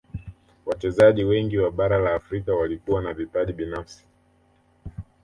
wachezaji wengi wa bara la afrika walikuwa na vipaji binafsi